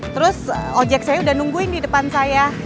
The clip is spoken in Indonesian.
terus ojek saya udah nungguin di depan saya